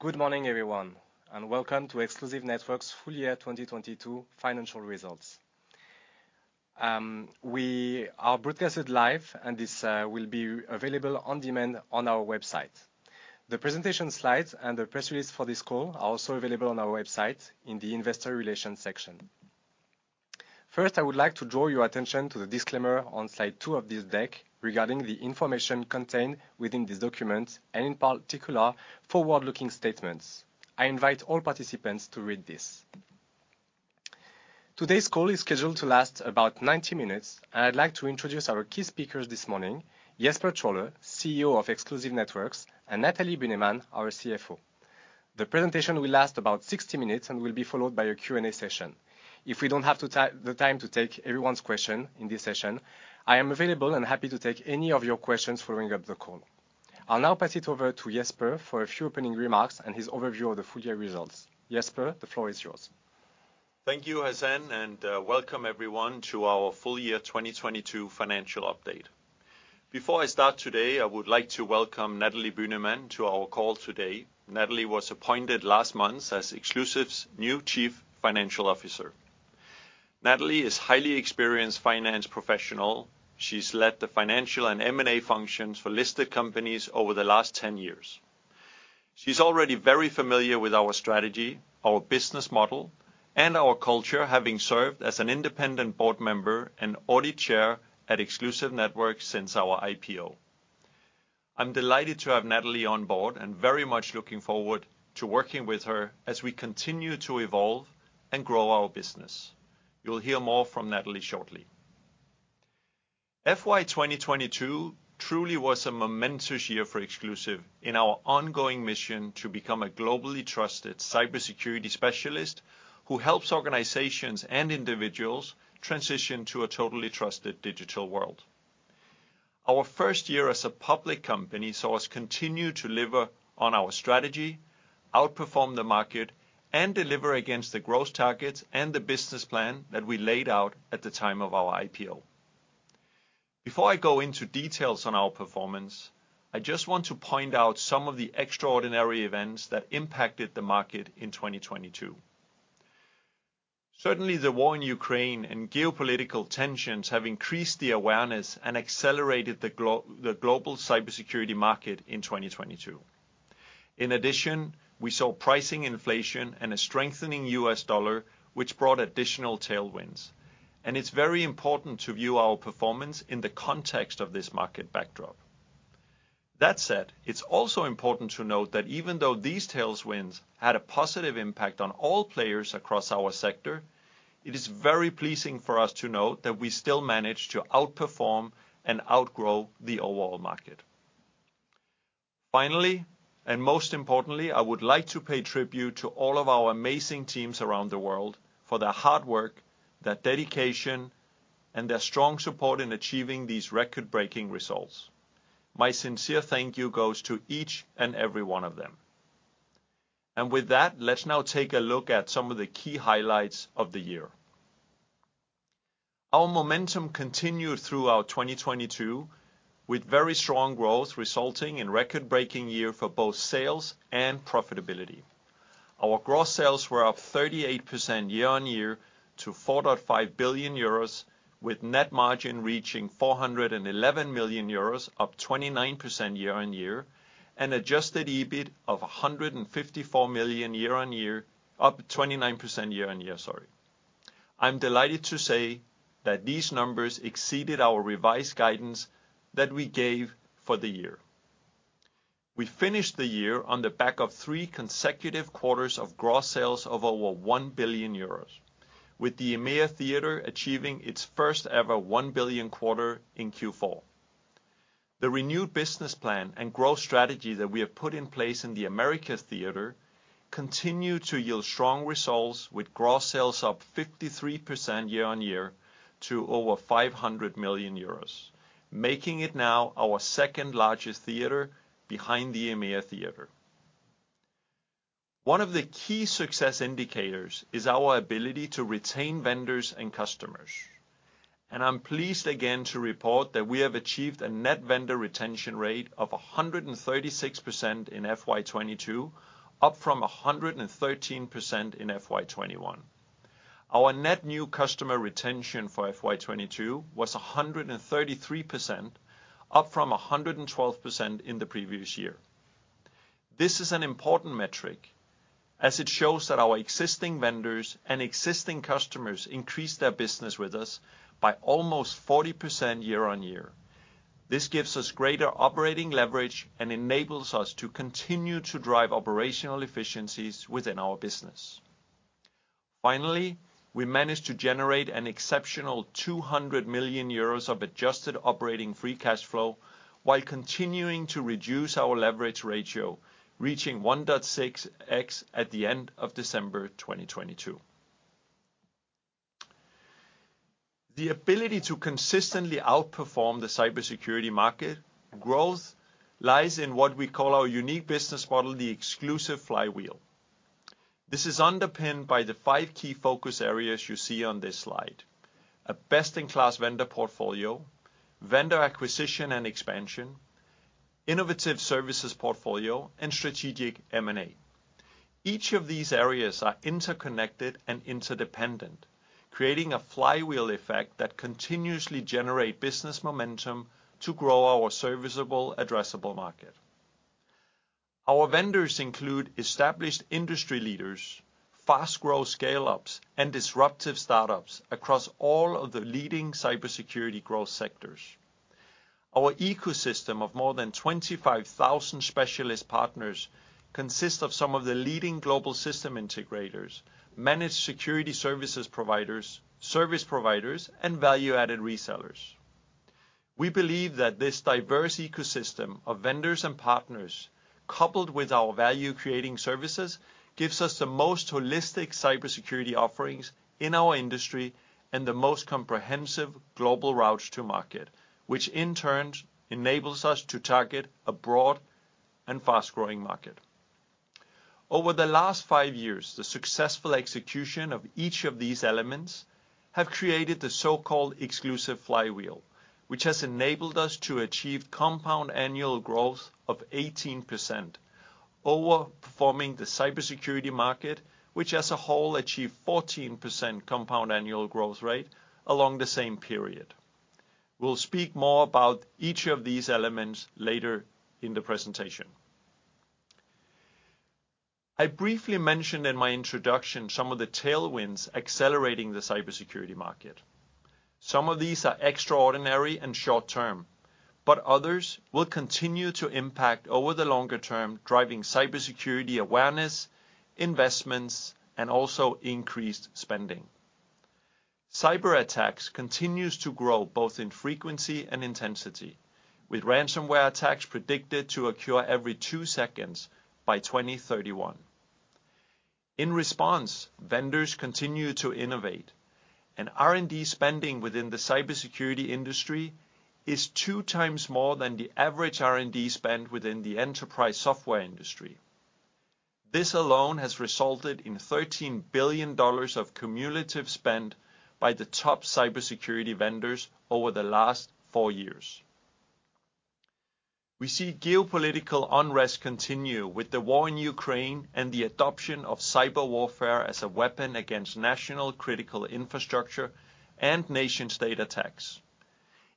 Good morning, everyone, welcome to Exclusive Networks' Full Year 2022 Financial Results. We are broadcasted live, this will be available on demand on our website. The presentation slides and the press release for this call are also available on our website in the investor relations section. First, I would like to draw your attention to the disclaimer on slide two of this deck regarding the information contained within these documents, in particular, forward-looking statements. I invite all participants to read this. Today's call is scheduled to last about 90 minutes, I'd like to introduce our key speakers this morning, Jesper Trolle, CEO of Exclusive Networks, and Nathalie Bühnemann, our CFO. The presentation will last about 60 minutes will be followed by a Q&A session. If we don't have the time to take everyone's question in this session, I am available and happy to take any of your questions following up the call. I'll now pass it over to Jesper for a few opening remarks and his overview of the full year results. Jesper, the floor is yours. Thank you, Azin, and welcome everyone to our full year 2022 financial update. Before I start today, I would like to welcome Nathalie Bühnemann to our call today. Nathalie was appointed last month as Exclusive's new chief financial officer. Nathalie is highly experienced finance professional. She's led the financial and M&A functions for listed companies over the last 10 years. She's already very familiar with our strategy, our business model, and our culture, having served as an independent board member and audit chair at Exclusive Networks since our IPO. I'm delighted to have Nathalie on board and very much looking forward to working with her as we continue to evolve and grow our business. You'll hear more from Nathalie shortly. FY 2022 truly was a momentous year for Exclusive in our ongoing mission to become a globally trusted cybersecurity specialist who helps organizations and individuals transition to a totally trusted digital world. Our first year as a public company saw us continue to deliver on our strategy, outperform the market, and deliver against the growth targets and the business plan that we laid out at the time of our IPO. Before I go into details on our performance, I just want to point out some of the extraordinary events that impacted the market in 2022. Certainly, the war in Ukraine and geopolitical tensions have increased the awareness and accelerated the global cybersecurity market in 2022. In addition, we saw pricing inflation and a strengthening U.S. dollar, which brought additional tailwinds. It's very important to view our performance in the context of this market backdrop. That said, it's also important to note that even though these tailwinds had a positive impact on all players across our sector, it is very pleasing for us to note that we still managed to outperform and outgrow the overall market. Finally, and most importantly, I would like to pay tribute to all of our amazing teams around the world for their hard work, their dedication, and their strong support in achieving these record-breaking results. My sincere thank you goes to each and every one of them. With that, let's now take a look at some of the key highlights of the year. Our momentum continued throughout 2022 with very strong growth resulting in record-breaking year for both sales and profitability. Our gross sales were up 38% year-on-year to 4.5 billion euros, with net margin reaching 411 million euros, up 29% year-on-year, and adjusted EBIT of 154 million year-on-year, up 29% year-on-year. Sorry. I'm delighted to say that these numbers exceeded our revised guidance that we gave for the year. We finished the year on the back of three consecutive quarters of gross sales of over 1 billion euros, with the EMEA theater achieving its first-ever 1 billion quarter in Q4. The renewed business plan and growth strategy that we have put in place in the Americas theater continued to yield strong results with gross sales up 53% year-on-year to over 500 million euros, making it now our second-largest theater behind the EMEA theater. One of the key success indicators is our ability to retain vendors and customers, and I'm pleased again to report that we have achieved a net vendor retention rate of 136% in FY 2022, up from 113% in FY 2021. Our net new customer retention for FY 2022 was 133%, up from 112% in the previous year. This is an important metric, as it shows that our existing vendors and existing customers increased their business with us by almost 40% year-on-year. This gives us greater operating leverage and enables us to continue to drive operational efficiencies within our business. Finally, we managed to generate an exceptional 200 million euros of adjusted operating free cash flow while continuing to reduce our leverage ratio, reaching 1.6x at the end of December 2022. The ability to consistently outperform the cybersecurity market growth lies in what we call our unique business model, the Exclusive Flywheel. This is underpinned by the five key focus areas you see on this slide. A best-in-class vendor portfolio, vendor acquisition and expansion, innovative services portfolio, and strategic M&A. Each of these areas are interconnected and interdependent, creating a flywheel effect that continuously generate business momentum to grow our serviceable addressable market. Our vendors include established industry leaders, fast-growth scale-ups, and disruptive startups across all of the leading cybersecurity growth sectors. Our ecosystem of more than 25,000 specialist partners consists of some of the leading global system integrators, managed security services providers, service providers, and value-added resellers. We believe that this diverse ecosystem of vendors and partners, coupled with our value-creating services, gives us the most holistic cybersecurity offerings in our industry and the most comprehensive global routes to market, which in turn enables us to target a broad and fast-growing market. Over the last five years, the successful execution of each of these elements have created the so-called Exclusive Flywheel, which has enabled us to achieve compound annual growth of 18% over performing the cybersecurity market, which as a whole, achieved 14% compound annual growth rate along the same period. We'll speak more about each of these elements later in the presentation. I briefly mentioned in my introduction some of the tailwinds accelerating the cybersecurity market. Some of these are extraordinary and short-term, but others will continue to impact over the longer term, driving cybersecurity awareness, investments, and also increased spending. Cyberattacks continues to grow both in frequency and intensity, with ransomware attacks predicted to occur every two seconds by 2031. R&D spending within the cybersecurity industry is 2x more than the average R&D spend within the enterprise software industry. This alone has resulted in $13 billion of cumulative spend by the top cybersecurity vendors over the last four years. We see geopolitical unrest continue with the war in Ukraine and the adoption of cyber warfare as a weapon against national critical infrastructure and nation state attacks.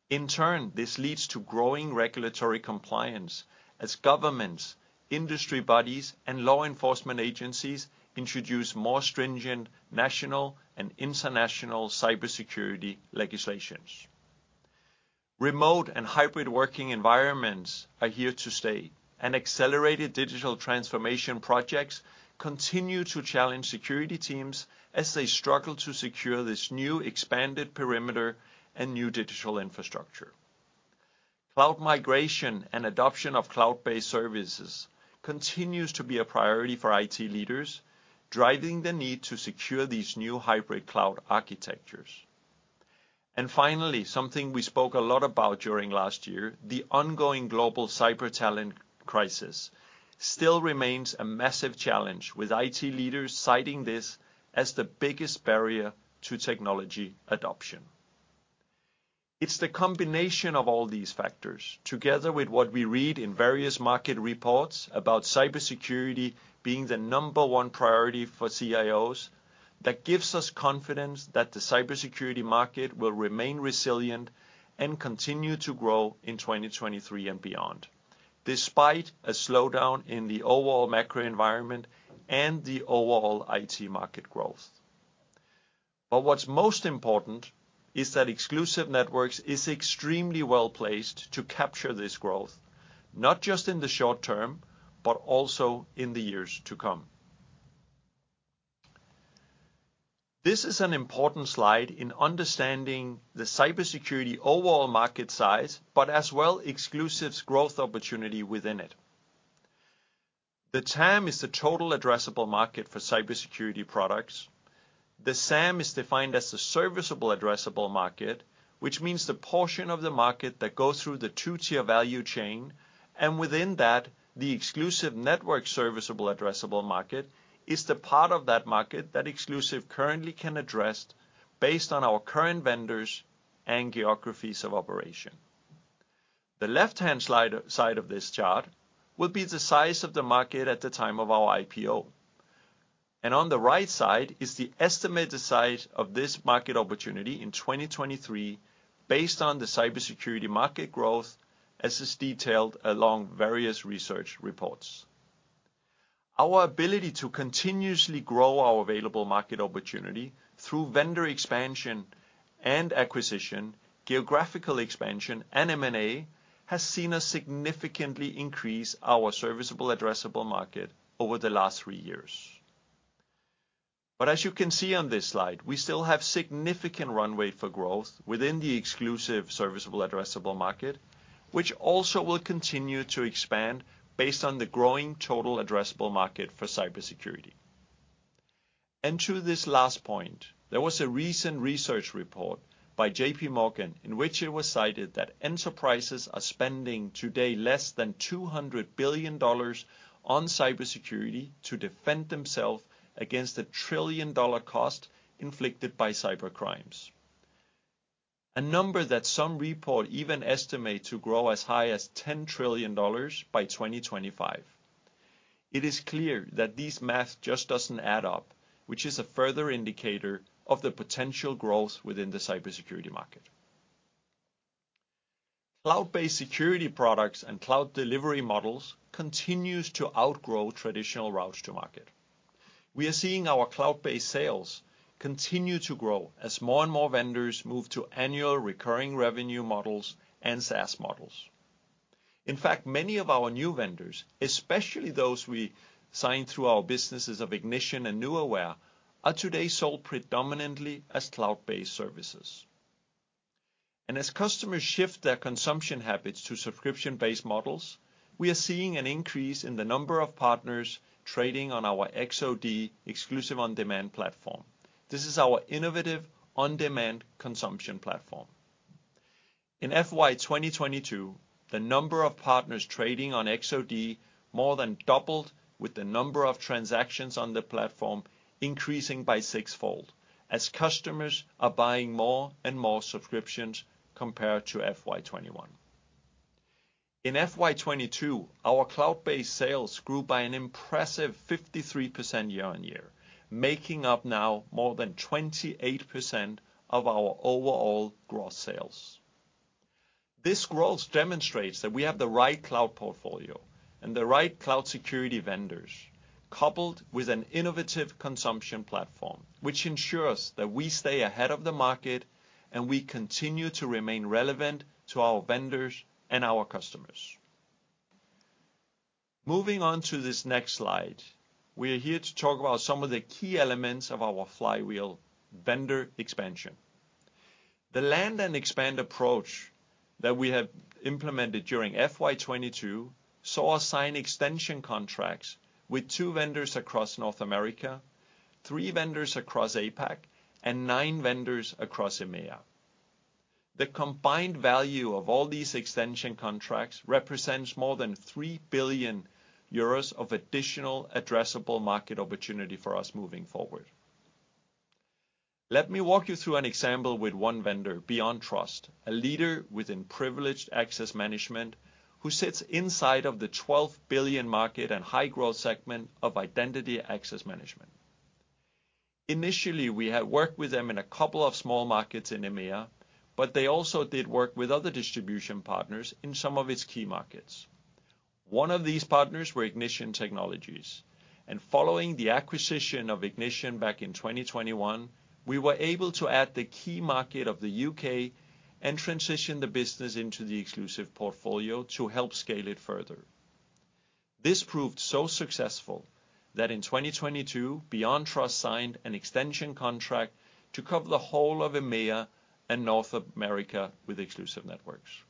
In turn, this leads to growing regulatory compliance as governments, industry bodies, and law enforcement agencies introduce more stringent national and international cybersecurity legislations. Remote and hybrid working environments are here to stay, and accelerated digital transformation projects continue to challenge security teams as they struggle to secure this new expanded perimeter and new digital infrastructure. Cloud migration and adoption of cloud-based services continues to be a priority for IT leaders, driving the need to secure these new hybrid cloud architectures. Finally, something we spoke a lot about during last year, the ongoing global cyber talent crisis still remains a massive challenge, with IT leaders citing this as the biggest barrier to technology adoption. It's the combination of all these factors, together with what we read in various market reports about cybersecurity being the number one priority for CIOs, that gives us confidence that the cybersecurity market will remain resilient and continue to grow in 2023 and beyond, despite a slowdown in the overall macro environment and the overall IT market growth. What's most important is that Exclusive Networks is extremely well-placed to capture this growth, not just in the short term, but also in the years to come. This is an important slide in understanding the cybersecurity overall market size, but as well Exclusive's growth opportunity within it. The TAM is the total addressable market for cybersecurity products. The SAM is defined as the serviceable addressable market, which means the portion of the market that goes through the two-tier value chain. Within that, the Exclusive Networks serviceable addressable market is the part of that market that Exclusive currently can address based on our current vendors and geographies of operation. The left-hand side of this chart will be the size of the market at the time of our IPO. On the right side is the estimated size of this market opportunity in 2023 based on the cybersecurity market growth, as is detailed along various research reports. Our ability to continuously grow our available market opportunity through vendor expansion and acquisition, geographical expansion, and M&A has seen us significantly increase our serviceable addressable market over the last three years. As you can see on this slide, we still have significant runway for growth within the Exclusive serviceable addressable market, which also will continue to expand based on the growing total addressable market for cybersecurity. To this last point, there was a recent research report by J.P. Morgan in which it was cited that enterprises are spending today less than $200 billion on cybersecurity to defend themselves against a $1 trillion cost inflicted by cybercrimes. A number that some report even estimate to grow as high as $10 trillion by 2025. It is clear that this math just doesn't add up, which is a further indicator of the potential growth within the cybersecurity market. Cloud-based security products and cloud delivery models continues to outgrow traditional routes to market. We are seeing our cloud-based sales continue to grow as more and more vendors move to annual recurring revenue models and SaaS models. In fact, many of our new vendors, especially those we sign through our businesses of Ignition and Nuaware, are today sold predominantly as cloud-based services. As customers shift their consumption habits to subscription-based models, we are seeing an increase in the number of partners trading on our X-OD Exclusive On-Demand platform. This is our innovative on-demand consumption platform. In FY 2022, the number of partners trading on X-OD more than doubled with the number of transactions on the platform increasing by six-fold as customers are buying more and more subscriptions compared to FY 2021. In FY 2022, our cloud-based sales grew by an impressive 53% year-on-year, making up now more than 28% of our overall gross sales. This growth demonstrates that we have the right cloud portfolio and the right cloud security vendors, coupled with an innovative consumption platform, which ensures that we stay ahead of the market and we continue to remain relevant to our vendors and our customers. Moving on to this next slide. We are here to talk about some of the key elements of our flywheel vendor expansion. The land and expand approach that we have implemented during FY 2022 saw us sign extension contracts with two vendors across North America, three vendors across APAC, and nine vendors across EMEA. The combined value of all these extension contracts represents more than 3 billion euros of additional addressable market opportunity for us moving forward. Let me walk you through an example with one vendor, BeyondTrust, a leader within privileged access management who sits inside of the 12 billion market and high-growth segment of Identity and Access Management. Initially, we had worked with them in a couple of small markets in EMEA. They also did work with other distribution partners in some of its key markets. One of these partners were Ignition Technology. Following the acquisition of Ignition back in 2021, we were able to add the key market of the U.K. and transition the business into the Exclusive portfolio to help scale it further. This proved so successful that in 2022, BeyondTrust signed an extension contract to cover the whole of EMEA and North America with Exclusive Networks.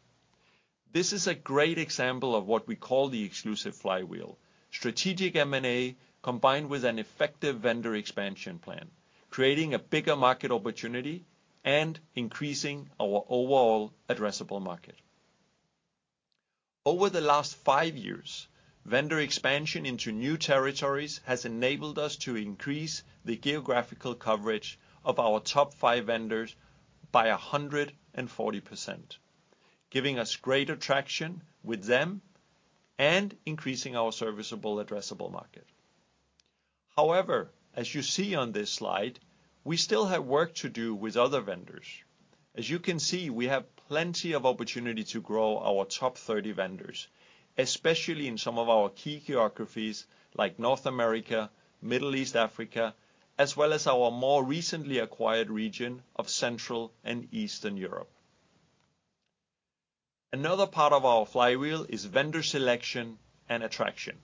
This is a great example of what we call the Exclusive Flywheel. Strategic M&A combined with an effective vendor expansion plan, creating a bigger market opportunity and increasing our overall addressable market. Over the last five years, vendor expansion into new territories has enabled us to increase the geographical coverage of our top five vendors by 140%, giving us greater traction with them and increasing our serviceable addressable market. As you see on this slide, we still have work to do with other vendors. As you can see, we have plenty of opportunity to grow our top 30 vendors, especially in some of our key geographies like North America, Middle East, Africa, as well as our more recently acquired region of Central and Eastern Europe. Another part of our flywheel is vendor selection and attraction.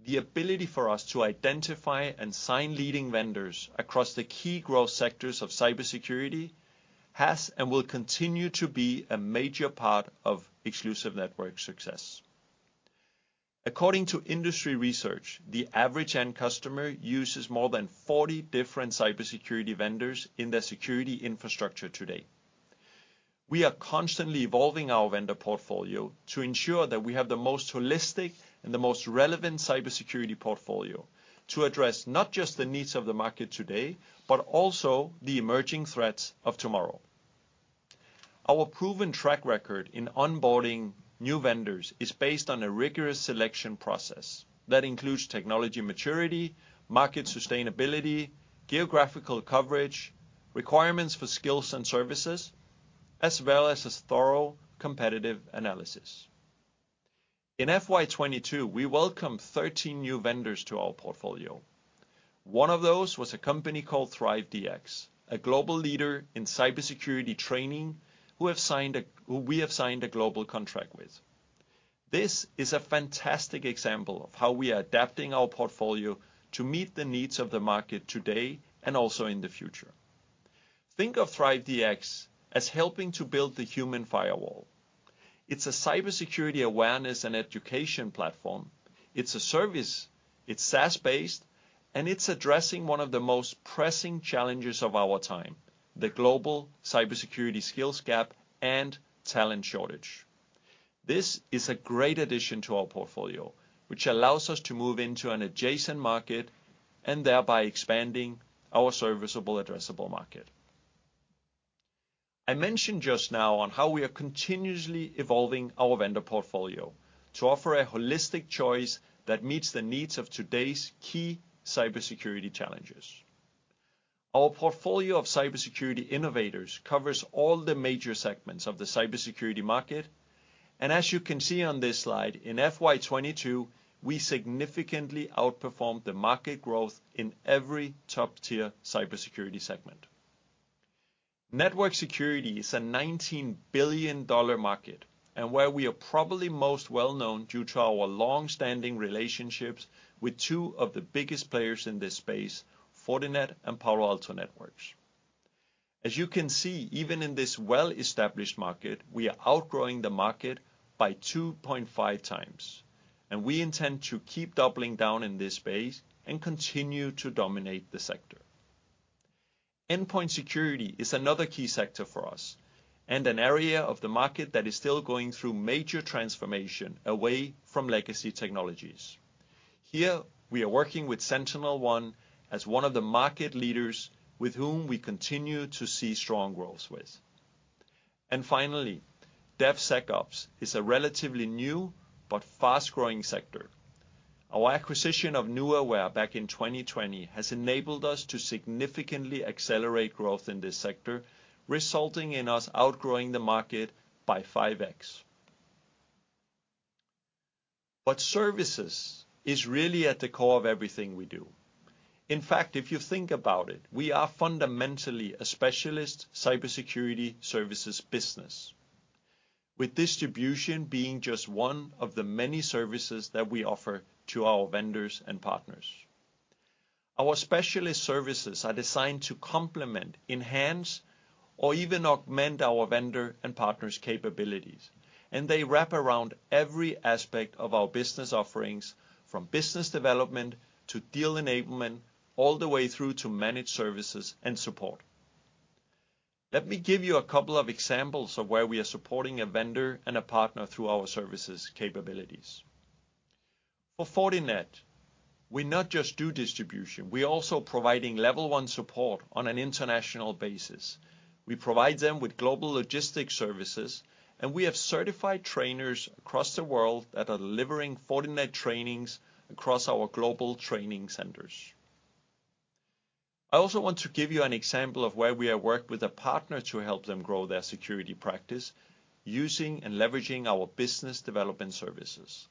The ability for us to identify and sign leading vendors across the key growth sectors of cybersecurity has and will continue to be a major part of Exclusive Network's success. According to industry research, the average end customer uses more than 40 different cybersecurity vendors in their security infrastructure today. We are constantly evolving our vendor portfolio to ensure that we have the most holistic and the most relevant cybersecurity portfolio to address not just the needs of the market today, but also the emerging threats of tomorrow. Our proven track record in onboarding new vendors is based on a rigorous selection process that includes technology maturity, market sustainability, geographical coverage, requirements for skills and services, as well as a thorough competitive analysis. In FY 2022, we welcomed 13 new vendors to our portfolio. One of those was a company called ThriveDX, a global leader in cybersecurity training who we have signed a global contract with. This is a fantastic example of how we are adapting our portfolio to meet the needs of the market today and also in the future. Think of ThriveDX as helping to build the human firewall. It's a cybersecurity awareness and education platform. It's a service, it's SaaS-based, and it's addressing one of the most pressing challenges of our time, the global cybersecurity skills gap and talent shortage. This is a great addition to our portfolio, which allows us to move into an adjacent market and thereby expanding our serviceable addressable market. I mentioned just now on how we are continuously evolving our vendor portfolio to offer a holistic choice that meets the needs of today's key cybersecurity challenges. Our portfolio of cybersecurity innovators covers all the major segments of the cybersecurity market. As you can see on this slide, in FY 2022, we significantly outperformed the market growth in every top-tier cybersecurity segment. Network security is a $19 billion market, where we are probably most well-known due to our long-standing relationships with two of the biggest players in this space, Fortinet and Palo Alto Networks. As you can see, even in this well-established market, we are outgrowing the market by 2.5x, we intend to keep doubling down in this space and continue to dominate the sector. Endpoint security is another key sector for us and an area of the market that is still going through major transformation away from legacy technologies. Here, we are working with SentinelOne as one of the market leaders with whom we continue to see strong growth with. Finally, DevSecOps is a relatively new but fast-growing sector. Our acquisition of Nuaware back in 2020 has enabled us to significantly accelerate growth in this sector, resulting in us outgrowing the market by 5x. Services is really at the core of everything we do. In fact, if you think about it, we are fundamentally a specialist cybersecurity services business, with distribution being just one of the many services that we offer to our vendors and partners. Our specialist services are designed to complement, enhance, or even augment our vendor and partners capabilities. They wrap around every aspect of our business offerings from business development to deal enablement, all the way through to managed services and support. Let me give you a couple of examples of where we are supporting a vendor and a partner through our services capabilities. For Fortinet, we not just do distribution, we're also providing level 1 support on an international basis. We provide them with global logistics services. We have certified trainers across the world that are delivering Fortinet trainings across our global training centers. I also want to give you an example of where we have worked with a partner to help them grow their security practice using and leveraging our business development services.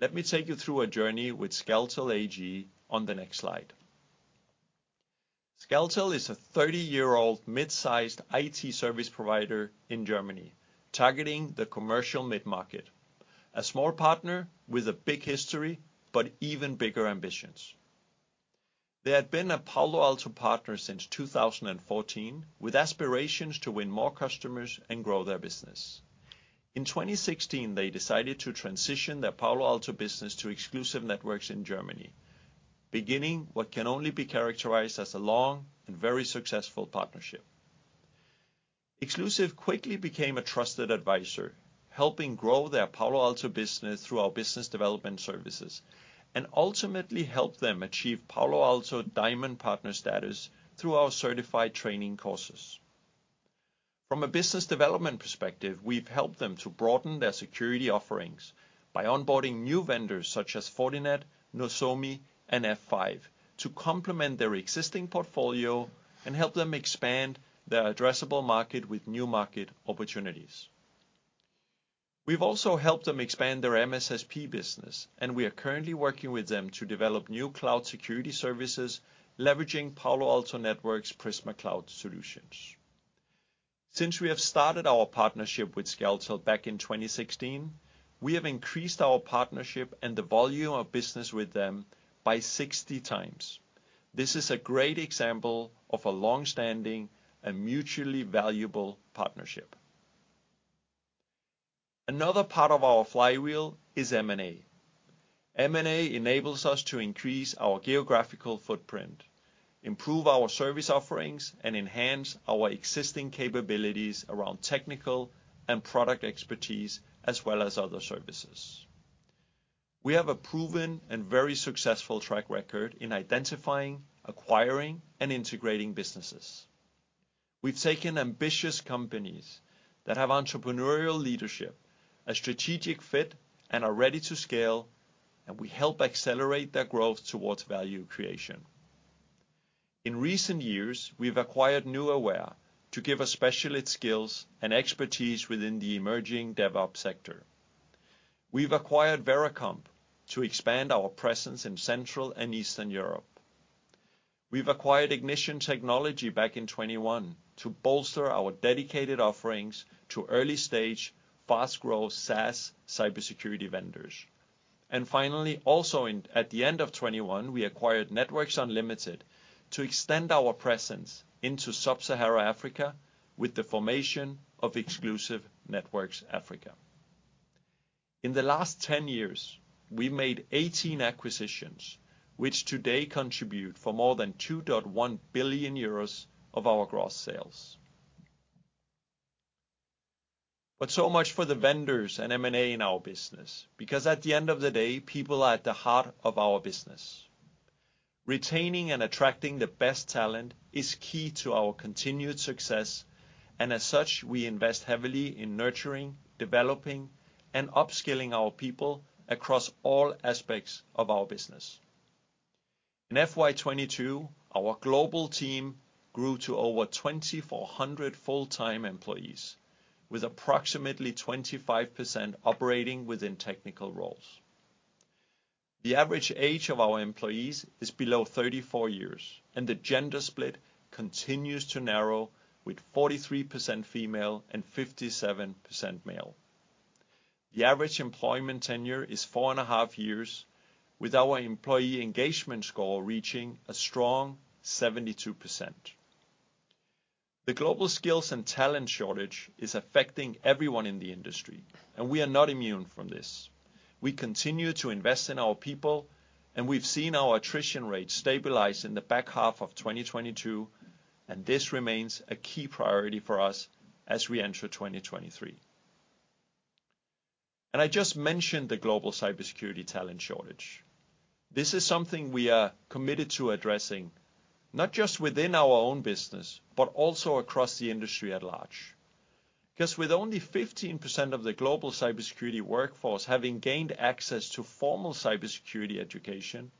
Let me take you through a journey with SCALTEL AG on the next slide. SCALTEL is a 30-year-old mid-sized IT service provider in Germany, targeting the commercial mid-market. A small partner with a big history, but even bigger ambitions. They had been a Palo Alto partner since 2014 with aspirations to win more customers and grow their business. In 2016, they decided to transition their Palo Alto business to Exclusive Networks in Germany, beginning what can only be characterized as a long and very successful partnership. Exclusive quickly became a trusted advisor, helping grow their Palo Alto business through our business development services and ultimately help them achieve Palo Alto Diamond Partner status through our certified training courses. From a business development perspective, we've helped them to broaden their security offerings by onboarding new vendors such as Fortinet, Nozomi, and F5 to complement their existing portfolio and help them expand their addressable market with new market opportunities. We've also helped them expand their MSSP business. We are currently working with them to develop new cloud security services leveraging Palo Alto Networks Prisma Cloud solutions. Since we have started our partnership with SCALTEL back in 2016, we have increased our partnership and the volume of business with them by 60x. This is a great example of a long-standing and mutually valuable partnership. Another part of our Flywheel is M&A. M&A enables us to increase our geographical footprint, improve our service offerings, and enhance our existing capabilities around technical and product expertise, as well as other services. We have a proven and very successful track record in identifying, acquiring, and integrating businesses. We've taken ambitious companies that have entrepreneurial leadership, a strategic fit, and are ready to scale, and we help accelerate their growth towards value creation. In recent years, we've acquired Nuaware to give us specialist skills and expertise within the emerging DevOps sector. We've acquired Veracomp to expand our presence in Central and Eastern Europe. We've acquired Ignition Technology back in 2021 to bolster our dedicated offerings to early-stage, fast-growth SaaS cybersecurity vendors. Finally, at the end of 2021, we acquired Networks Unlimited to extend our presence into Sub-Sahara Africa with the formation of Exclusive Networks Africa. In the last 10 years, we made 18 acquisitions, which today contribute for more than 2.1 billion euros of our gross sales. So much for the vendors and M&A in our business, because at the end of the day, people are at the heart of our business. Retaining and attracting the best talent is key to our continued success, and as such, we invest heavily in nurturing, developing, and upskilling our people across all aspects of our business. In FY 2022, our global team grew to over 2,400 full-time employees, with approximately 25% operating within technical roles. The average age of our employees is below 34 years, and the gender split continues to narrow with 43% female and 57% male. The average employment tenure is 4.5 Years, with our employee engagement score reaching a strong 72%. The global skills and talent shortage is affecting everyone in the industry. We are not immune from this. We continue to invest in our people. We've seen our attrition rate stabilize in the back half of 2022, and this remains a key priority for us as we enter 2023. I just mentioned the global cybersecurity talent shortage. This is something we are committed to addressing, not just within our own business, but also across the industry at large. Cause with only 15% of the global cybersecurity workforce having gained access to formal cybersecurity education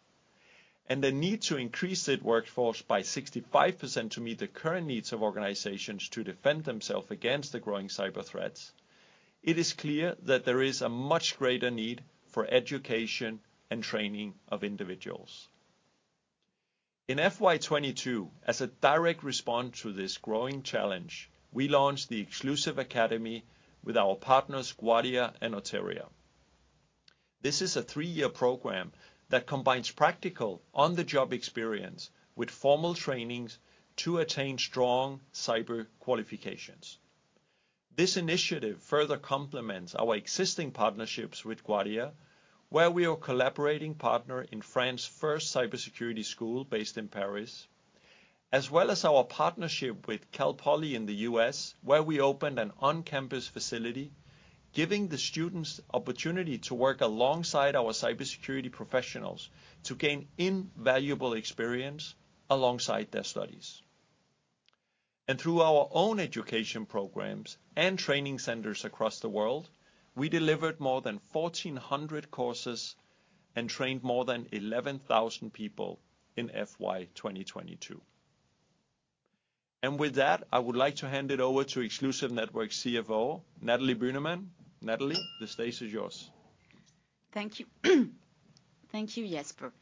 and the need to increase said workforce by 65% to meet the current needs of organizations to defend themselves against the growing cyber threats, it is clear that there is a much greater need for education and training of individuals. In FY 2022, as a direct response to this growing challenge, we launched the Exclusive Academy with our partners, Guardia and Notería. This is a three-year program that combines practical on-the-job experience with formal trainings to attain strong cyber qualifications. This initiative further complements our existing partnerships with Guardia, where we are collaborating partner in France's first cybersecurity school based in Paris, as well as our partnership with Cal Poly in the U.S., where we opened an on-campus facility, giving the students opportunity to work alongside our cybersecurity professionals to gain invaluable experience alongside their studies. Through our own education programs and training centers across the world, we delivered more than 1,400 courses and trained more than 11,000 people in FY 2022. With that, I would like to hand it over to Exclusive Networks CFO, Nathalie Bühnemann. Nathalie, the stage is yours. Thank you. Thank you, Jesper.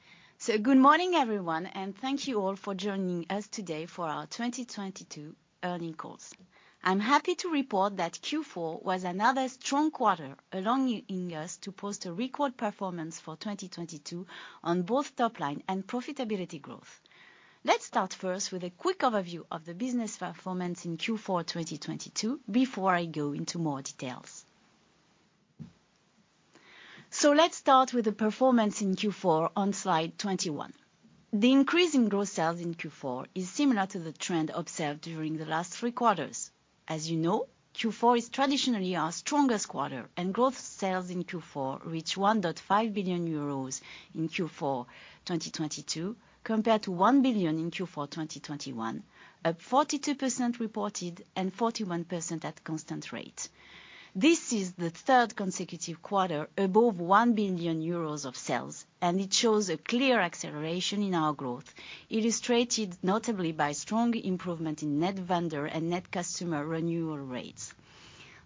Good morning, everyone, and thank you all for joining us today for our 2022 Earnings Calls. I'm happy to report that Q4 was another strong quarter, allowing us to post a record performance for 2022 on both top line and profitability growth. Let's start first with a quick overview of the business performance in Q4 2022 before I go into more details. Let's start with the performance in Q4 on slide 21. The increase in growth sales in Q4 is similar to the trend observed during the last three quarters. As you know, Q4 is traditionally our strongest quarter, and growth sales in Q4 reach 1.5 billion euros in Q4 2022 compared to 1 billion in Q4 2021, up 42% reported and 41% at constant rate. This is the third consecutive quarter above 1 billion euros of sales, and it shows a clear acceleration in our growth, illustrated notably by strong improvement in net vendor and net customer renewal rates.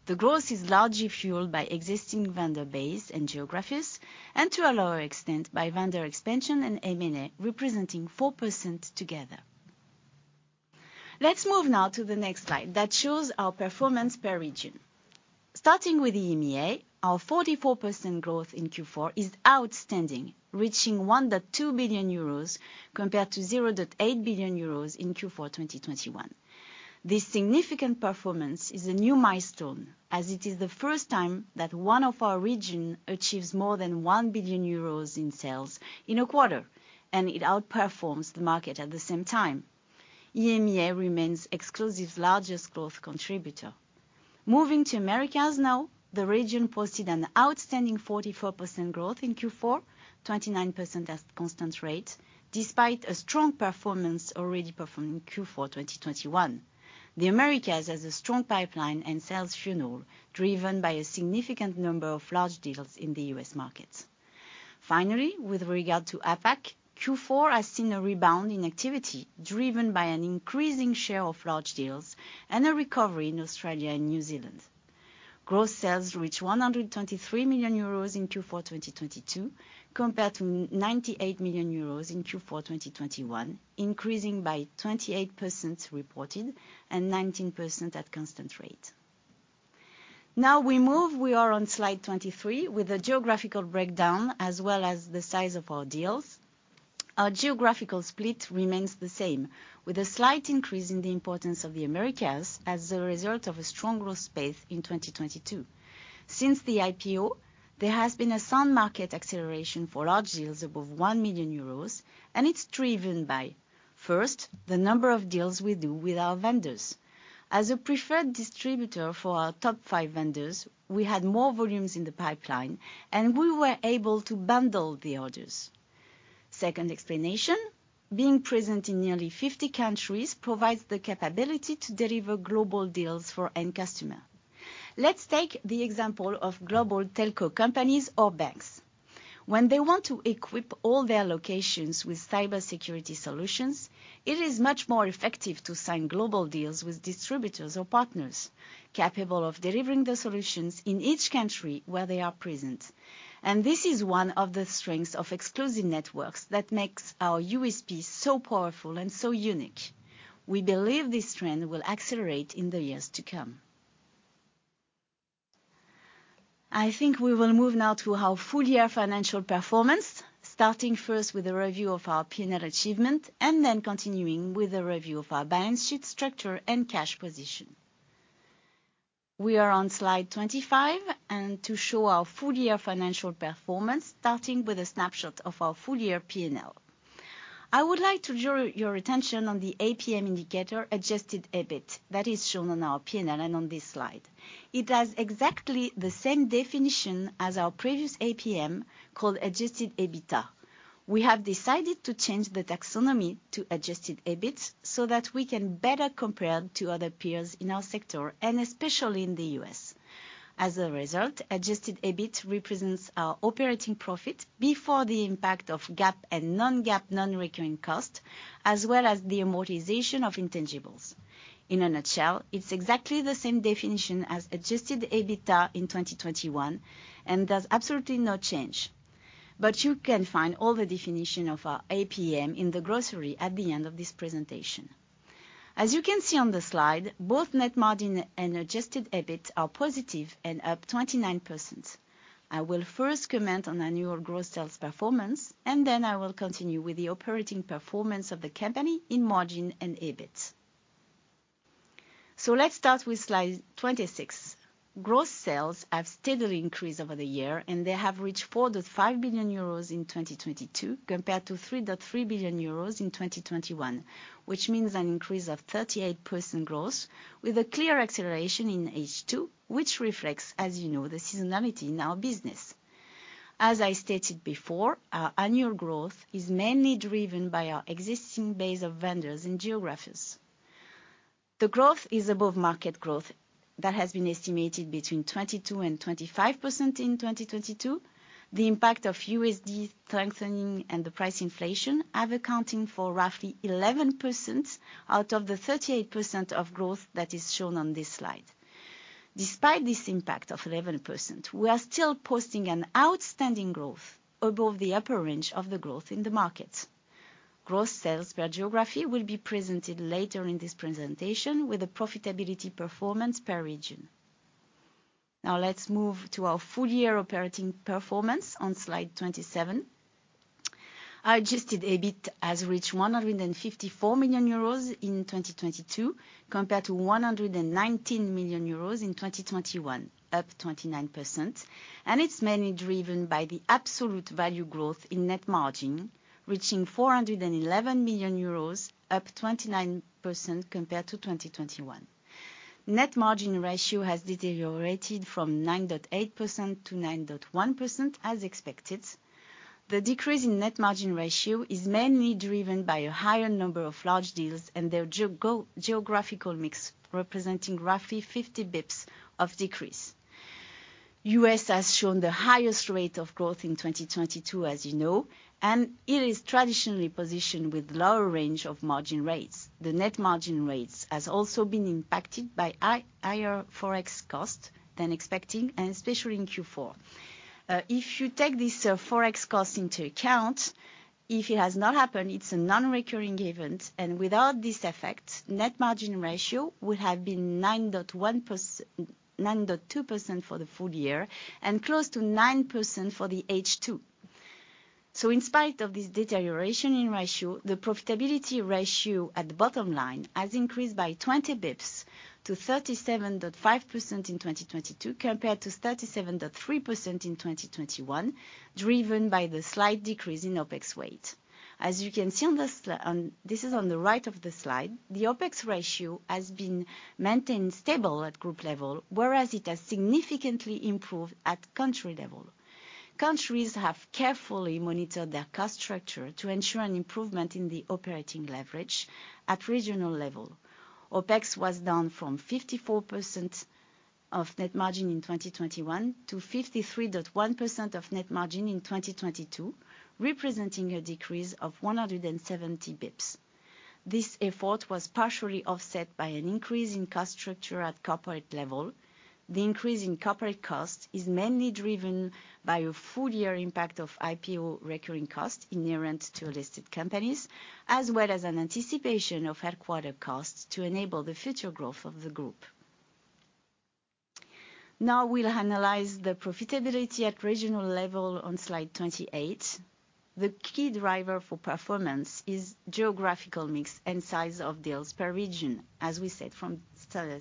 The growth is largely fueled by existing vendor base and geographies, and to a lower extent by vendor expansion and M&A, representing 4% together. Let's move now to the next slide that shows our performance per region. Starting with EMEA, our 44% growth in Q4 is outstanding, reaching 1.2 billion euros compared to 0.8 billion euros in Q4 2021. This significant performance is a new milestone as it is the first time that one of our region achieves more than 1 billion euros in sales in a quarter, and it outperforms the market at the same time. EMEA remains Exclusive's largest growth contributor. Moving to Americas now. The region posted an outstanding 44% growth in Q4, 29% at constant rate, despite a strong performance already performed in Q4 2021. The Americas has a strong pipeline and sales funnel driven by a significant number of large deals in the U.S. market. With regard to APAC, Q4 has seen a rebound in activity driven by an increasing share of large deals and a recovery in Australia and New Zealand. Gross sales reached 123 million euros in Q4 2022 compared to 98 million euros in Q4 2021, increasing by 28% reported and 19% at constant rate. We move. We are on slide 23 with a geographical breakdown as well as the size of our deals. Our geographical split remains the same, with a slight increase in the importance of the Americas as a result of a strong growth space in 2022. Since the IPO, there has been a sound market acceleration for large deals above 1 million euros. It's driven by, first, the number of deals we do with our vendors. As a preferred distributor for our top five vendors, we had more volumes in the pipeline. We were able to bundle the orders. Second explanation, being present in nearly 50 countries provides the capability to deliver global deals for end customer. Let's take the example of global telco companies or banks. When they want to equip all their locations with cybersecurity solutions, it is much more effective to sign global deals with distributors or partners capable of delivering the solutions in each country where they are present. This is one of the strengths of Exclusive Networks that makes our USP so powerful and so unique. We believe this trend will accelerate in the years to come. I think we will move now to our full-year financial performance, starting first with a review of our P&L achievement and then continuing with a review of our balance sheet structure and cash position. We are on slide 25, and to show our full-year financial performance, starting with a snapshot of our full-year P&L. I would like to draw your attention on the APM indicator adjusted EBIT that is shown on our P&L and on this slide. It has exactly the same definition as our previous APM called adjusted EBITDA. We have decided to change the taxonomy to adjusted EBIT so that we can better compare to other peers in our sector and especially in the U.S. As a result, adjusted EBIT represents our operating profit before the impact of GAAP and non-GAAP non-recurring costs, as well as the amortization of intangibles. In a nutshell, it's exactly the same definition as adjusted EBITDA in 2021 and there's absolutely no change. You can find all the definition of our APM in the glossary at the end of this presentation. As you can see on the slide, both net margin and adjusted EBIT are positive and up 29%. I will first comment on annual gross sales performance, and then I will continue with the operating performance of the company in margin and EBIT. Let's start with slide 26. Gross sales have steadily increased over the year, and they have reached 4.5 billion euros in 2022 compared to 3.3 billion euros in 2021, which means an increase of 38% growth with a clear acceleration in H2, which reflects, as you know, the seasonality in our business. As I stated before, our annual growth is mainly driven by our existing base of vendors and geographies. The growth is above market growth that has been estimated between 22%-25% in 2022. The impact of USD strengthening and the price inflation are accounting for roughly 11% out of the 38% of growth that is shown on this slide. Despite this impact of 11%, we are still posting an outstanding growth above the upper range of the growth in the market. Gross sales by geography will be presented later in this presentation with a profitability performance per region. Now let's move to our full-year operating performance on slide 27. Our adjusted EBIT has reached 154 million euros in 2022 compared to 119 million euros in 2021, up 29%. It's mainly driven by the absolute value growth in net margin, reaching 411 million euros, up 29% compared to 2021. net margin ratio has deteriorated from 9.8%-9.1%, as expected. The decrease in net margin ratio is mainly driven by a higher number of large deals and their geographical mix, representing roughly 50 basis points of decrease. U.S. has shown the highest rate of growth in 2022, as you know, it is traditionally positioned with lower range of margin rates. The net margin ratio has also been impacted by higher Forex costs than expecting, and especially in Q4. If you take this Forex cost into account, if it has not happened, it's a non-recurring event, and without this effect, net margin ratio would have been 9.2% for the full year and close to 9% for the H2. In spite of this deterioration in ratio, the profitability ratio at the bottom line has increased by 20 bps to 37.5% in 2022 compared to 37.3% in 2021, driven by the slight decrease in OpEx weight. As you can see on, this is on the right of the slide, the OpEx ratio has been maintained stable at group level, whereas it has significantly improved at country level. Countries have carefully monitored their cost structure to ensure an improvement in the operating leverage at regional level. OpEx was down from 54% of net margin in 2021 to 53.1% of net margin in 2022, representing a decrease of 170 basis points. This effort was partially offset by an increase in cost structure at corporate level. The increase in corporate cost is mainly driven by a full-year impact of IPO recurring cost inherent to listed companies, as well as an anticipation of headquarters costs to enable the future growth of the group. We'll analyze the profitability at regional level on slide 28. The key driver for performance is geographical mix and size of deals per region, as we said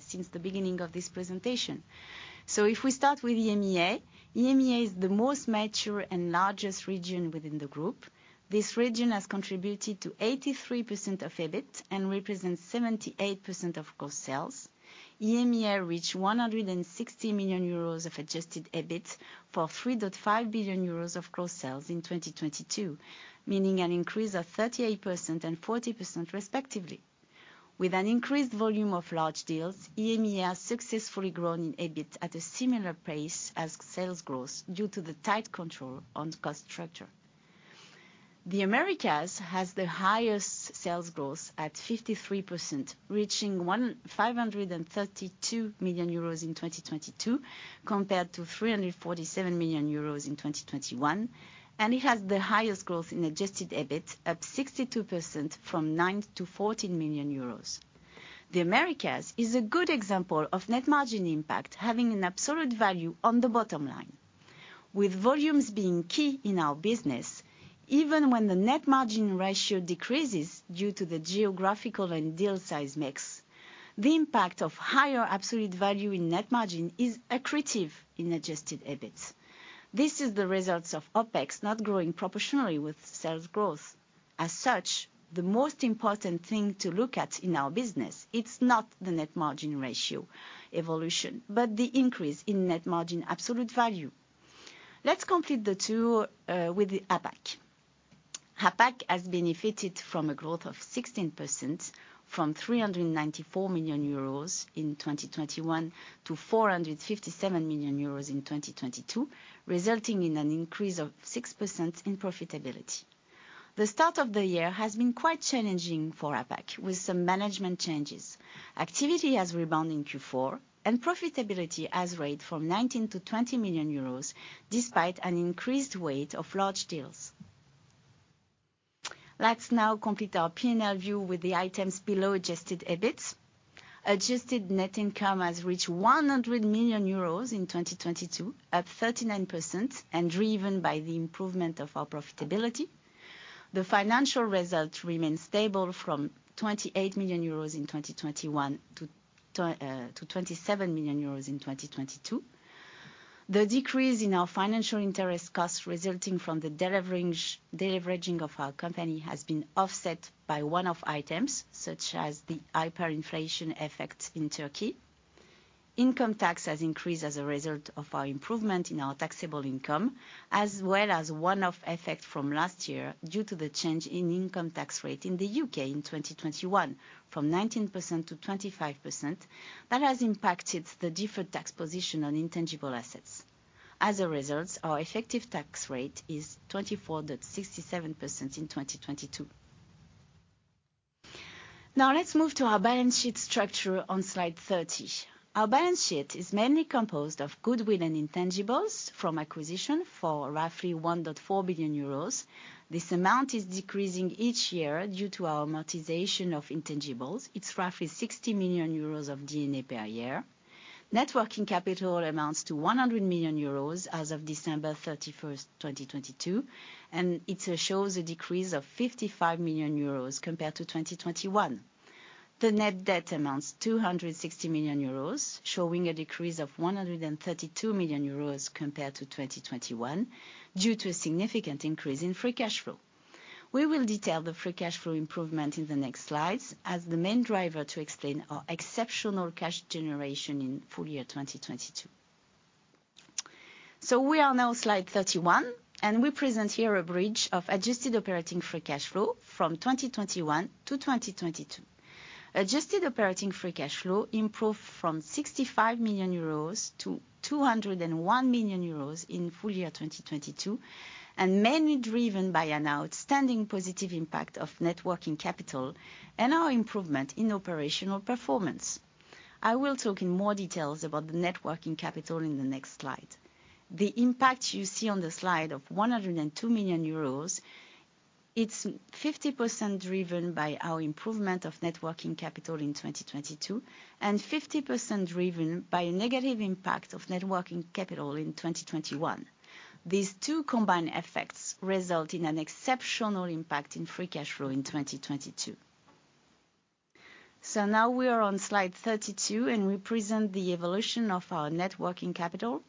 since the beginning of this presentation. If we start with EMEA. EMEA is the most mature and largest region within the group. This region has contributed to 83% of EBIT and represents 78% of gross sales. EMEA reached 160 million euros of adjusted EBIT for 3.5 billion euros of gross sales in 2022, meaning an increase of 38% and 40% respectively. With an increased volume of large deals, EMEA successfully grown in EBIT at a similar pace as sales growth due to the tight control on cost structure. The Americas has the highest sales growth at 53%, reaching 532 million euros in 2022 compared to 347 million euros in 2021, and it has the highest growth in adjusted EBIT, up 62% from 9 million-14 million euros. The Americas is a good example of net margin impact, having an absolute value on the bottom line. With volumes being key in our business, even when the net margin ratio decreases due to the geographical and deal size mix, the impact of higher absolute value in net margin is accretive in adjusted EBIT. This is the result of OpEx not growing proportionally with sales growth. The most important thing to look at in our business is not the net margin ratio evolution, but the increase in net margin absolute value. Let's complete the tour with the APAC. APAC has benefited from a growth of 16% from 394 million euros in 2021 to 457 million euros in 2022, resulting in an increase of 6% in profitability. The start of the year has been quite challenging for APAC, with some management changes. Activity has rebound in Q4, and profitability has raised from 19 million-20 million euros despite an increased weight of large deals. Let's now complete our P&L view with the items below adjusted EBIT. Adjusted net income has reached 100 million euros in 2022, up 39% and driven by the improvement of our profitability. The financial results remain stable from 28 million euros in 2021 to 27 million euros in 2022. The decrease in our financial interest costs resulting from the deleveraging of our company has been offset by one-off items, such as the hyperinflation effect in Turkey. Income tax has increased as a result of our improvement in our taxable income, as well as one-off effect from last year due to the change in income tax rate in the U.K. in 2021 from 19%-25%. That has impacted the deferred tax position on intangible assets. As a result, our effective tax rate is 24.67% in 2022. Let's move to our balance sheet structure on slide 30. Our balance sheet is mainly composed of goodwill and intangibles from acquisition for roughly 1.4 billion euros. This amount is decreasing each year due to our amortization of intangibles. It's roughly 60 million euros of D&A per year. Net working capital amounts to 100 million euros as of December 31st, 2022, and it shows a decrease of 55 million euros compared to 2021. The net debt amounts 260 million euros, showing a decrease of 132 million euros compared to 2021 due to a significant increase in free cash flow. We will detail the free cash flow improvement in the next slides as the main driver to explain our exceptional cash generation in full year 2022. We are now slide 31, and we present here a bridge of adjusted operating free cash flow from 2021-2022. Adjusted operating free cash flow improved from 65 million-201 million euros in full year 2022, and mainly driven by an outstanding positive impact of net working capital and our improvement in operational performance. I will talk in more details about the net working capital in the next slide. The impact you see on the slide of 102 million euros, it's 50% driven by our improvement of net working capital in 2022, and 50% driven by a negative impact of net working capital in 2021. These two combined effects result in an exceptional impact in free cash flow in 2022. Now we are on slide 32, and we present the evolution of our net working capital.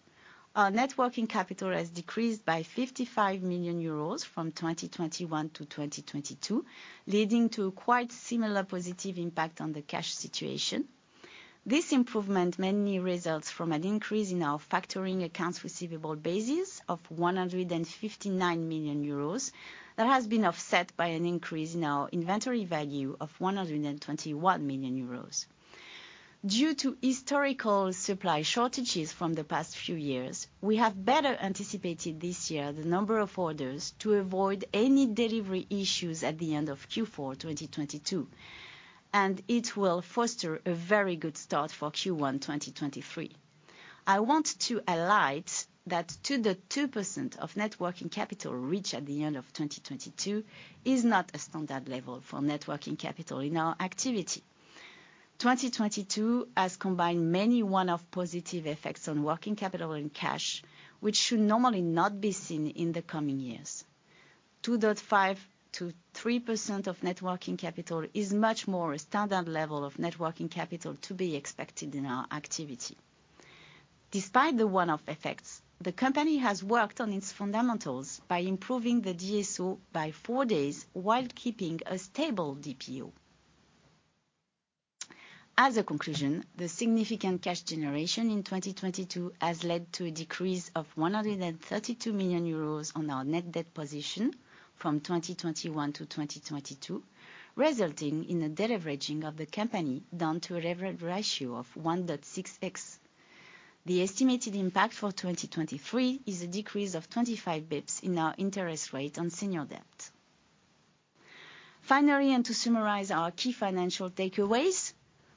Our net working capital has decreased by 55 million euros from 2021-2022, leading to a quite similar positive impact on the cash situation. This improvement mainly results from an increase in our factoring accounts receivable basis of 159 million euros that has been offset by an increase in our inventory value of 121 million euros. Due to historical supply shortages from the past few years, we have better anticipated this year the number of orders to avoid any delivery issues at the end of Q4 2022. It will foster a very good start for Q1 2023. I want to highlight that to the 2% of net working capital reached at the end of 2022 is not a standard level for net working capital in our activity. 2022 has combined many one-off positive effects on working capital and cash, which should normally not be seen in the coming years. 2.5%-3% of net working capital is much more a standard level of net working capital to be expected in our activity. Despite the one-off effects, the company has worked on its fundamentals by improving the DSO by four days while keeping a stable DPO. As a conclusion, the significant cash generation in 2022 has led to a decrease of 132 million euros on our net debt position from 2021 to 2022, resulting in a deleveraging of the company down to a leverage ratio of 1.6x. The estimated impact for 2023 is a decrease of 25 bps in our interest rate on senior debt. Finally, to summarize our key financial takeaways,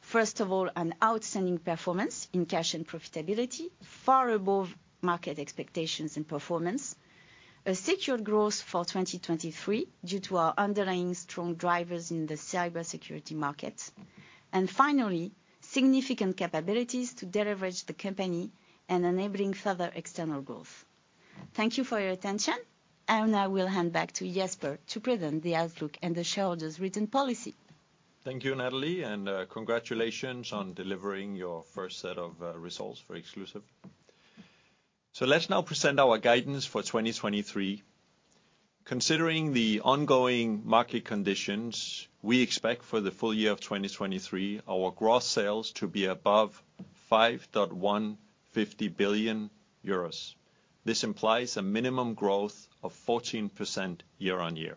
first of all, an outstanding performance in cash and profitability, far above market expectations and performance. A secured growth for 2023 due to our underlying strong drivers in the cybersecurity market. Finally, significant capabilities to deleverage the company and enabling further external growth. Thank you for your attention, and I will hand back to Jesper to present the outlook and the shareholders' return policy. Thank you, Nathalie Bühnemann, and congratulations on delivering your first set of results for Exclusive. Let's now present our guidance for 2023. Considering the ongoing market conditions, we expect for the full year of 2023, our gross sales to be above 5.150 billion euros. This implies a minimum growth of 14% year-on-year.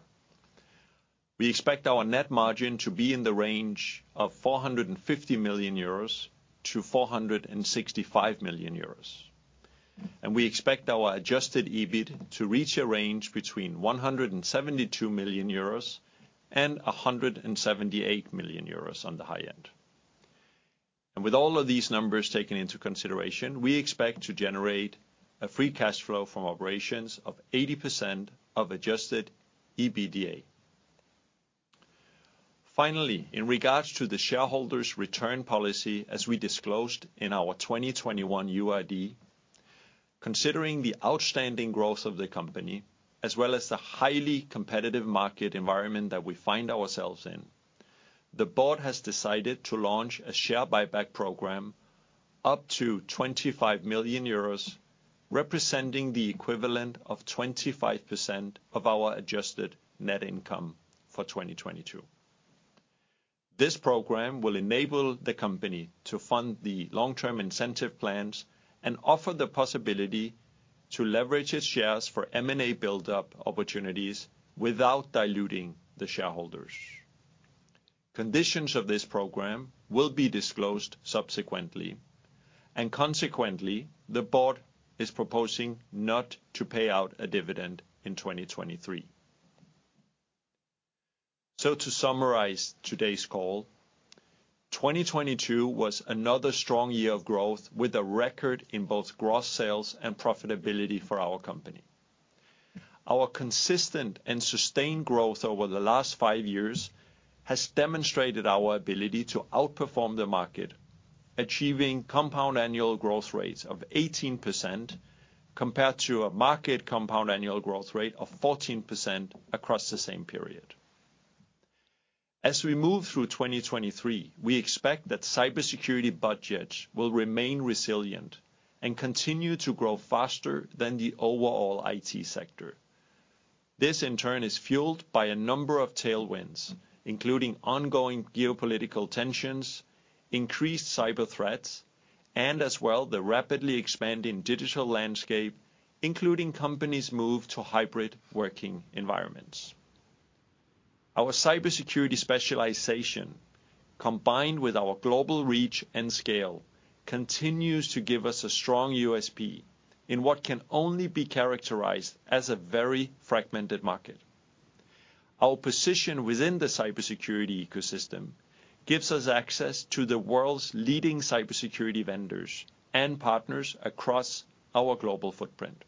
We expect our net margin to be in the range of 450 million-465 million euros. We expect our adjusted EBIT to reach a range between 172 million euros and 178 million euros on the high end. With all of these numbers taken into consideration, we expect to generate a free cash flow from operations of 80% of adjusted EBITDA. Finally, in regards to the shareholder's return policy as we disclosed in our 2021 UID, considering the outstanding growth of the company, as well as the highly competitive market environment that we find ourselves in, the board has decided to launch a share buyback program up to 25 million euros, representing the equivalent of 25% of our adjusted net income for 2022. This program will enable the company to fund the long-term incentive plans and offer the possibility to leverage its shares for M&A build-up opportunities without diluting the shareholders. Conditions of this program will be disclosed subsequently, and consequently, the board is proposing not to pay out a dividend in 2023. To summarize today's call, 2022 was another strong year of growth with a record in both gross sales and profitability for our company. Our consistent and sustained growth over the last five years has demonstrated our ability to outperform the market, achieving compound annual growth rates of 18% compared to a market compound annual growth rate of 14% across the same period. As we move through 2023, we expect that cybersecurity budgets will remain resilient and continue to grow faster than the overall IT sector. This, in turn, is fueled by a number of tailwinds, including ongoing geopolitical tensions, increased cyber threats, and as well, the rapidly expanding digital landscape, including companies move to hybrid working environments. Our cybersecurity specialization, combined with our global reach and scale, continues to give us a strong USP in what can only be characterized as a very fragmented market. Our position within the cybersecurity ecosystem gives us access to the world's leading cybersecurity vendors and partners across our global footprint.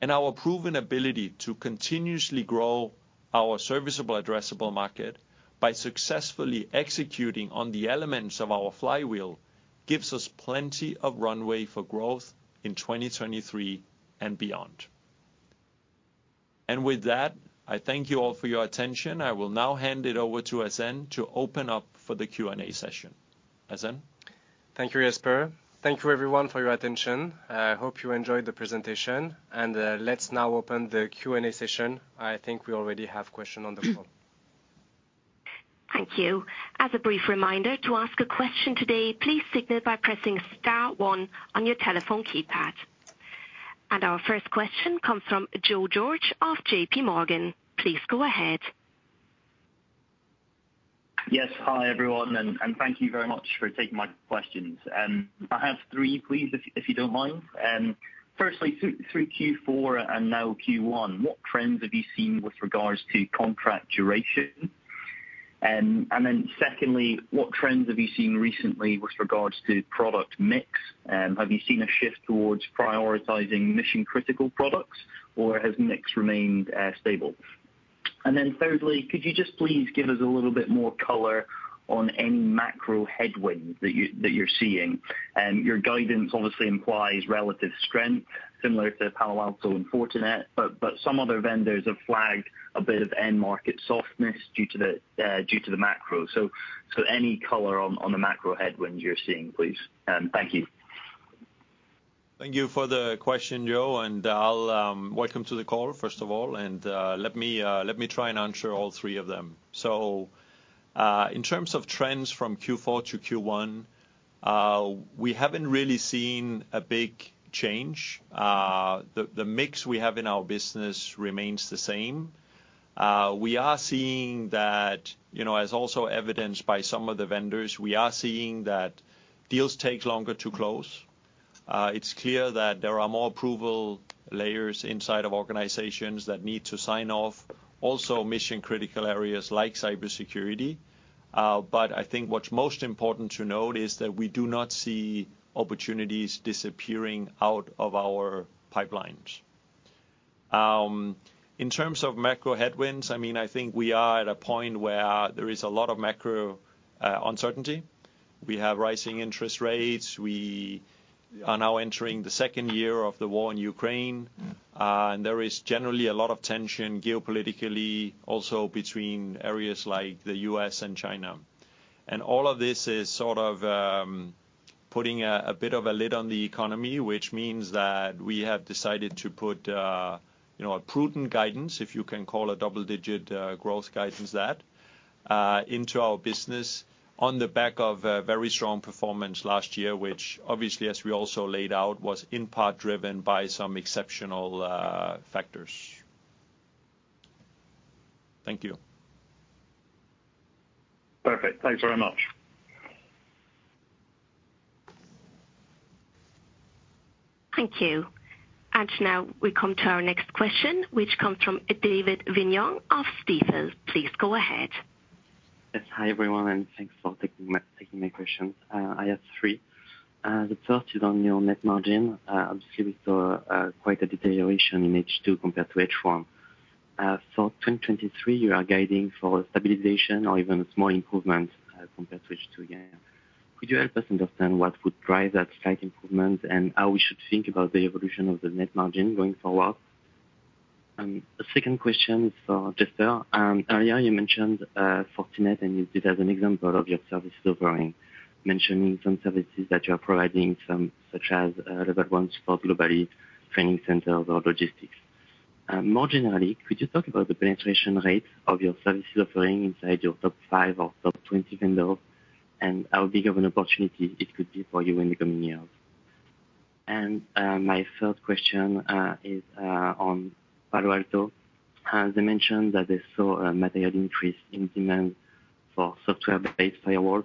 Our proven ability to continuously grow our serviceable addressable market by successfully executing on the elements of our flywheel gives us plenty of runway for growth in 2023 and beyond. With that, I thank you all for your attention. I will now hand it over to Azin to open up for the Q&A session. Azin? Thank you, Jesper. Thank you everyone for your attention. I hope you enjoyed the presentation. Let's now open the Q&A session. I think we already have question on the call. Thank you. As a brief reminder, to ask a question today, please signal by pressing star one on your telephone keypad. Our first question comes from Joseph George of J.P. Morgan. Please go ahead. Yes. Hi, everyone, and thank you very much for taking my questions. I have three, please, if you don't mind. Firstly, through Q4 and now Q1, what trends have you seen with regards to contract duration? Secondly, what trends have you seen recently with regards to product mix? Have you seen a shift towards prioritizing mission-critical products or has mix remained stable? Thirdly, could you just please give us a little bit more color on any macro headwinds that you're seeing? Your guidance obviously implies relative strength similar to Palo Alto and Fortinet, but some other vendors have flagged a bit of end market softness due to the macro. Any color on the macro headwinds you're seeing, please. Thank you. Thank you for the question, Joe, welcome to the call, first of all, let me try and answer all three of them. In terms of trends from Q4-Q1, we haven't really seen a big change. The mix we have in our business remains the same. We are seeing that, you know, as also evidenced by some of the vendors, we are seeing that deals take longer to close. It's clear that there are more approval layers inside of organizations that need to sign off, also mission-critical areas like cybersecurity. I think what's most important to note is that we do not see opportunities disappearing out of our pipelines. In terms of macro headwinds, I mean, I think we are at a point where there is a lot of macro uncertainty. We have rising interest rates. We are now entering the second year of the war in Ukraine, and there is generally a lot of tension geopolitically also between areas like the U.S. and China. All of this is sort of putting a bit of a lid on the economy, which means that we have decided to put, you know, a prudent guidance, if you can call a double-digit growth guidance that into our business on the back of a very strong performance last year, which obviously, as we also laid out, was in part driven by some exceptional factors. Thank you. Perfect. Thanks very much. Thank you. Now we come to our next question, which comes from David Vignon of Stifel. Please go ahead. Yes. Hi, everyone, and thanks for taking my questions. I have three. The first is on your net margin. Obviously we saw quite a deterioration in H2 compared to H1. For 2023, you are guiding for stabilization or even a small improvement compared to H2 again. Could you help us understand what would drive that slight improvement and how we should think about the evolution of the net margin going forward? A second question for Jesper. Earlier you mentioned Fortinet, and you did as an example of your services offering, mentioning some services that you are providing, some such as level 1 support globally, training centers or logistics. More generally, could you talk about the penetration rate of your services offering inside your top five or top 20 vendors, and how big of an opportunity it could be for you in the coming years? My third question is on Palo Alto. As I mentioned, that they saw a material increase in demand for software-based firewall.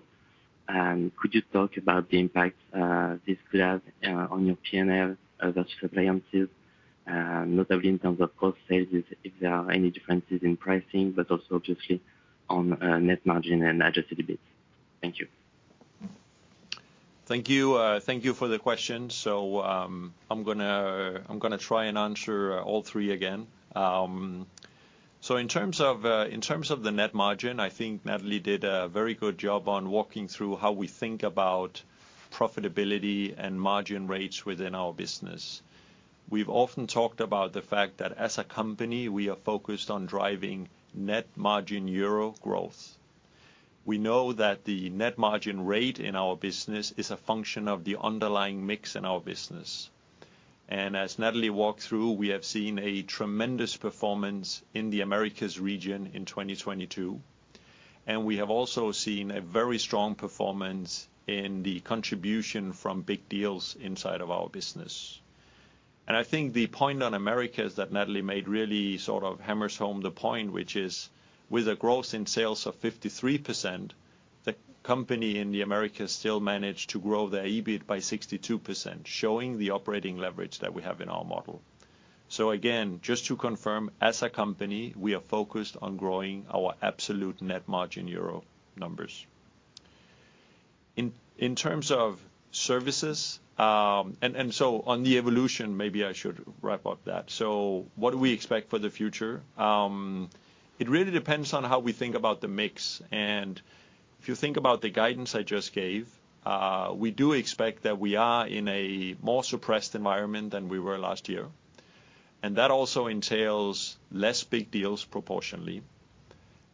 Could you talk about the impact this could have on your P&L as that suppliances, notably in terms of cost sales, if there are any differences in pricing, but also obviously on net margin and adjusted EBIT? Thank you. Thank you. Thank you for the question. I'm gonna try and answer all three again. In terms of net margin, I think Nathalie did a very good job on walking through how we think about profitability and margin rates within our business. We've often talked about the fact that as a company, we are focused on driving net margin euro growth. We know that the net margin rate in our business is a function of the underlying mix in our business. As Nathalie walked through, we have seen a tremendous performance in the Americas region in 2022, and we have also seen a very strong performance in the contribution from big deals inside of our business. I think the point on Americas that Nathalie made really sort of hammers home the point, which is with a growth in sales of 53%, the company in the Americas still managed to grow their EBIT by 62%, showing the operating leverage that we have in our model. Again, just to confirm, as a company, we are focused on growing our absolute net margin EUR numbers. In terms of services, and on the evolution, maybe I should wrap up that. What do we expect for the future? It really depends on how we think about the mix. If you think about the guidance I just gave, we do expect that we are in a more suppressed environment than we were last year. That also entails less big deals proportionally.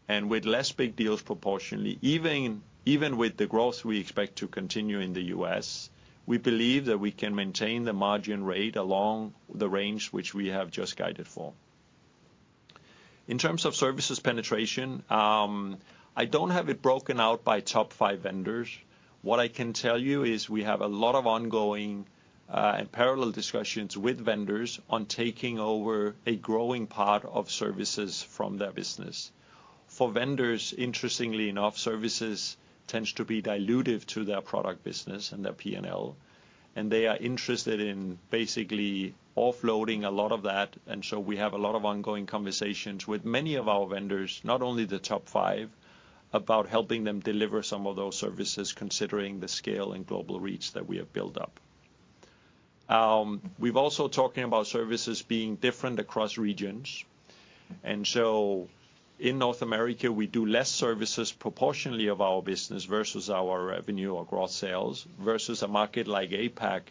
With less big deals proportionally, even with the growth we expect to continue in the U.S., we believe that we can maintain the margin rate along the range which we have just guided for. In terms of services penetration, I don't have it broken out by top five vendors. What I can tell you is we have a lot of ongoing and parallel discussions with vendors on taking over a growing part of services from their business. For vendors, interestingly enough, services tends to be dilutive to their product business and their PNL, and they are interested in basically offloading a lot of that. We have a lot of ongoing conversations with many of our vendors, not only the top five, about helping them deliver some of those services, considering the scale and global reach that we have built up. We've also talking about services being different across regions. In North America, we do less services proportionally of our business versus our revenue or gross sales, versus a market like APAC,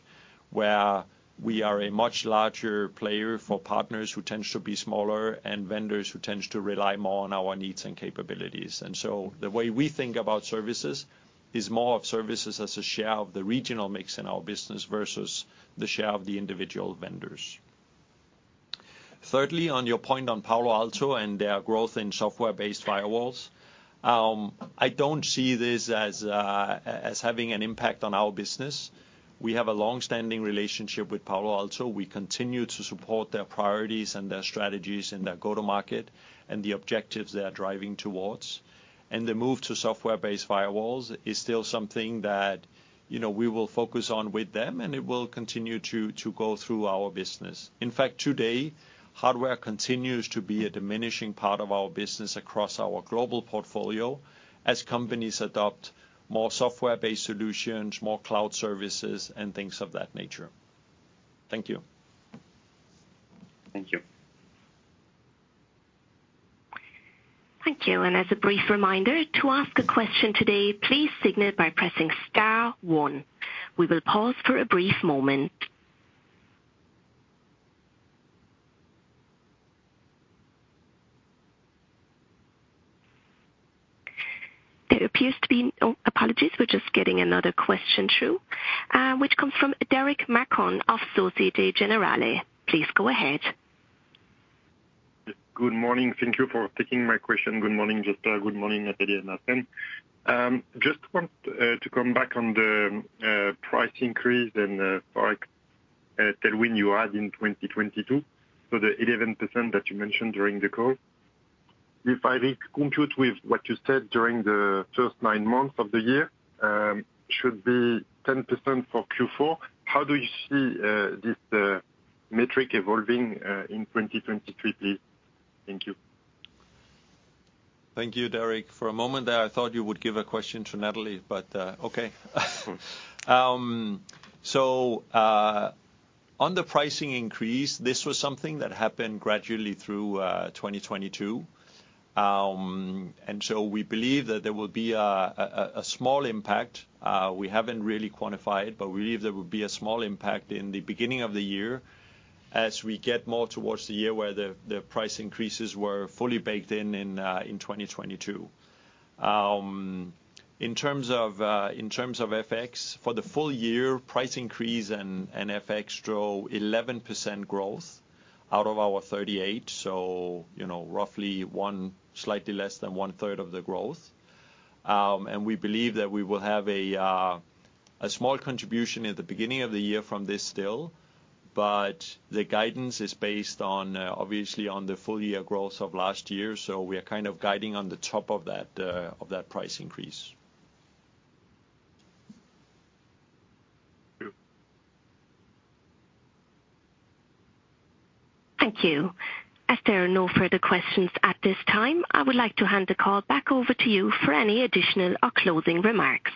where we are a much larger player for partners who tends to be smaller and vendors who tends to rely more on our needs and capabilities. The way we think about services is more of services as a share of the regional mix in our business versus the share of the individual vendors. Thirdly, on your point on Palo Alto and their growth in software-based firewalls, I don't see this as having an impact on our business. We have a long-standing relationship with Palo Alto. We continue to support their priorities and their strategies and their go-to-market and the objectives they are driving towards. The move to software-based firewalls is still something that, you know, we will focus on with them, and it will continue to go through our business. In fact, today, hardware continues to be a diminishing part of our business across our global portfolio as companies adopt more software-based solutions, more cloud services, and things of that nature. Thank you. Thank you. Thank you. As a brief reminder, to ask a question today, please signal by pressing star one. We will pause for a brief moment. There appears to be... Apologies, we're just getting another question through, which comes from Derric Marcon of Societe Generale. Please go ahead. Good morning. Thank you for taking my question. Good morning, Jesper. Good morning, Nathalie and Azin. Just want to come back on the price increase and like that when you add in 2022, so the 11% that you mentioned during the call. If I recompute with what you said during the first nine months of the year, should be 10% for Q4, how do you see this metric evolving in 2023, please? Thank you. Thank you, Derric. For a moment there, I thought you would give a question to Nathalie. Okay. On the pricing increase, this was something that happened gradually through 2022. We believe that there will be a small impact. We haven't really quantified, but we believe there will be a small impact in the beginning of the year as we get more towards the year where the price increases were fully baked in 2022. In terms of FX, for the full year price increase and FX drove 11% growth out of our 38, so, you know, roughly slightly less than 1/3 of the growth. We believe that we will have a small contribution at the beginning of the year from this still, but the guidance is based on obviously on the full year growth of last year. We are kind of guiding on the top of that price increase. Thank you. Thank you. As there are no further questions at this time, I would like to hand the call back over to you for any additional or closing remarks.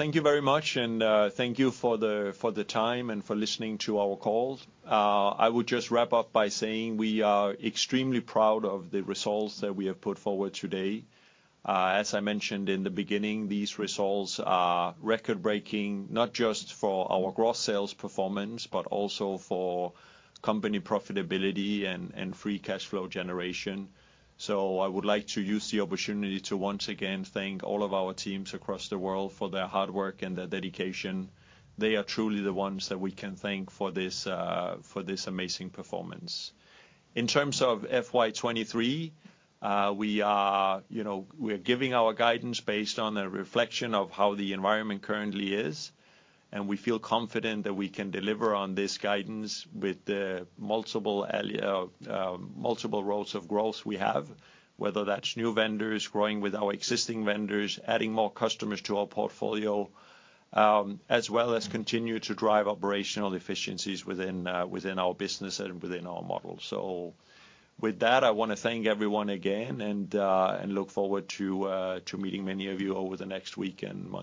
Thank you very much, and thank you for the, for the time and for listening to our call. I would just wrap up by saying we are extremely proud of the results that we have put forward today. As I mentioned in the beginning, these results are record-breaking, not just for our gross sales performance, but also for company profitability and free cash flow generation. I would like to use the opportunity to once again thank all of our teams across the world for their hard work and their dedication. They are truly the ones that we can thank for this, for this amazing performance. In terms of FY 2023, we are, you know, we're giving our guidance based on a reflection of how the environment currently is, and we feel confident that we can deliver on this guidance with the multiple roads of growth we have, whether that's new vendors, growing with our existing vendors, adding more customers to our portfolio, as well as continue to drive operational efficiencies within our business and within our model. With that, I wanna thank everyone again and look forward to meeting many of you over the next week and months.